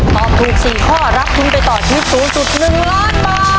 ตอบ๔ขอรักสูงไปสูงจุด๑๐๐๐๐๐บาท